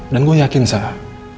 dan gue yakin sahab